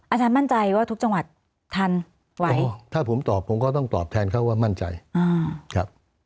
อาจารย์มั่นใจว่าทุกจังหวัดทันไหวถ้าผมตอบผมก็ต้องตอบแทนเขาว่ามั่นใจครับ